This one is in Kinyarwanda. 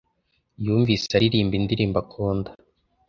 Yumvise aririmba indirimbo akunda.